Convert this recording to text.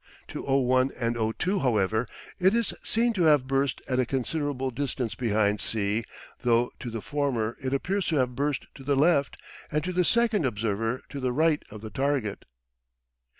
To O1 and O2, however, it is seen to have burst at a considerable distance behind C though to the former it appears to have burst to the left and to the second observer to the right of the target.